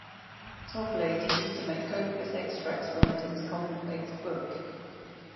Toplady used to make copious extracts from it in his common-place book.